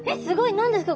何ですか？